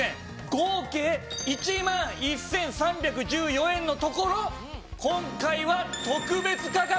合計１万１３１４円のところ今回は特別価格。